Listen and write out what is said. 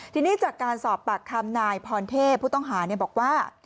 ทีนี้จากการสอบปากคำนายพรเทพผู้ต้องหาบอกว่า